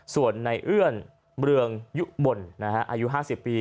ส่วนในเอื้อนเมืองยุบลอายุ๕๐ปี